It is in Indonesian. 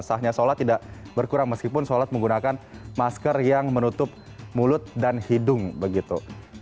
sahnya sholat tidak berkurang meskipun sholat menggunakan masker yang menutup mulut dan hidung begitu